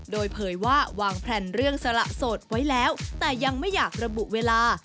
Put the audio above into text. โดยเผยว่าวางแพลนเรื่องสละโสดไว้แล้วแต่ยังไม่อยากระบุเวลา